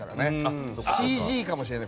フルＣＧかもしれない。